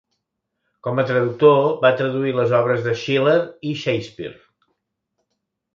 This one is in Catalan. Com a traductor va traduir les obres de Schiller i Shakespeare.